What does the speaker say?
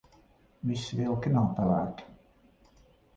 Visi vilki nav pelēki.